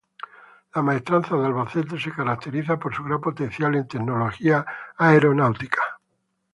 La Maestranza de Albacete se caracteriza por su gran potencial en tecnologías aeronáuticas.